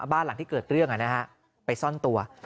บ้านหลังที่เกิดเรื่องไปซ่อนตัว